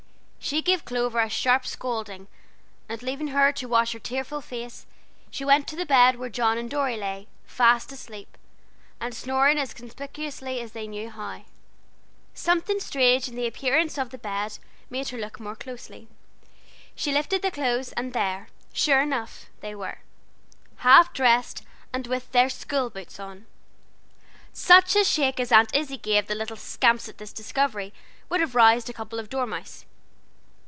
She gave Clover a sharp scolding, and leaving her to wash her tearful face, she went to the bed where John and Dorry lay, fast asleep, and snoring as conspicuously as they knew how. Something strange in the appearance of the bed made her look more closely: she lifted the clothes, and there, sure enough, they were half dressed, and with their school boots on. Such a shake as Aunt Izzie gave the little scamps at this discovery, would have roused a couple of dormice.